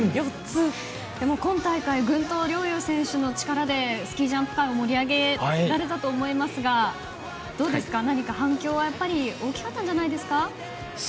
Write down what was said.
でも、今大会グンと陵侑選手の力でスキージャンプ界を盛り上げられたと思いますが何か反響は大きかったんじゃないですか？